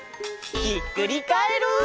ひっくりカエル！